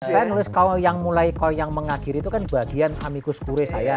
saya melihat kalau yang mulai kalau yang mengakhiri itu kan bagian amikus kuris saya